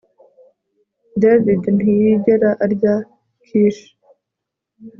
David ntiyigera arya quiche